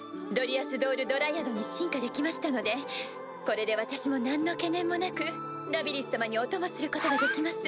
霊樹人形妖精に進化できましたのでこれで私も何の懸念もなくラミリス様にお供することができます。